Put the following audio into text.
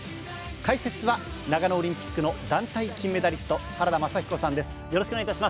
解説は長野オリンピックの団体金メダリスト原田雅彦さんです。